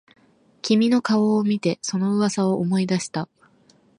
君の顔を見てその噂を思い出した